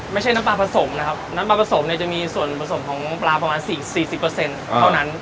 ไม่ใช่น้ำปลาผสมนะครับน้ำปลาผสมเนี้ยจะมีส่วนผสมของปลาประมาณสี่สี่เปอร์เซ็นต์เท่านั้น